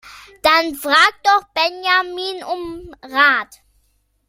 Dann fragt doch Benjamin um Rat!